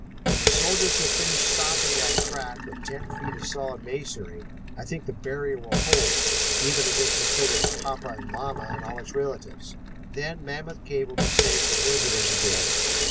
When the soldiers have finished stopping that crack with ten feet of solid masonry, I think the barrier will hold, even against that critter's papa and mamma and all its relatives. Then Mammoth Cave will be safe for visitors again.